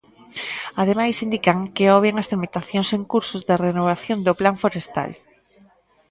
Ademais indican que "obvian as tramitacións en curso da renovación do plan forestal".